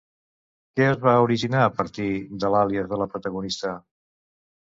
Què es va originar a partir de l'àlies de la protagonista?